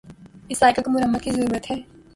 اس cycle کو مرمت کی ضرورت ہے